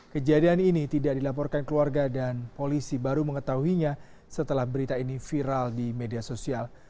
kejadian ini tidak dilaporkan keluarga dan polisi baru mengetahuinya setelah berita ini viral di media sosial